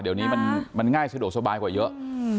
เดี๋ยวนี้มันง่ายสะดวกสบายกว่าเยอะ